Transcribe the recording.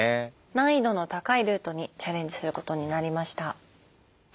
難易度の高いルートにチャレンジすることになりました。